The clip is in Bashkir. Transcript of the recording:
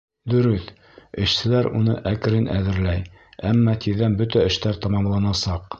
Дөрөҫ, эшселәр уны әкрен әҙерләй, әммә тиҙҙән бөтә эштәр тамамланасаҡ.